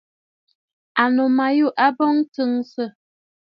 Ànnù ma yû a bɔɔ ntɨ̀nsə̀.